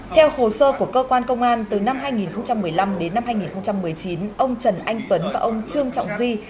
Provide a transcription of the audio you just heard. theo hồ sơ của cơ quan công an từ năm hai nghìn một mươi năm đến năm hai nghìn một mươi chín ông trần anh tuấn và ông trương trọng duy